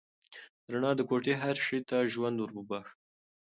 رڼا د کوټې هر شی ته ژوند ور وباښه.